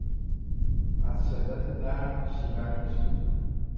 از شدت درد شیون کشید.